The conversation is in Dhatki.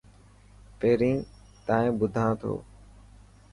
پهرين تائن ٻڌان ٿو.